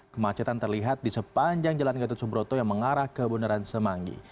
kemacetan terlihat di sepanjang jalan gatot subroto yang mengarah ke bundaran semanggi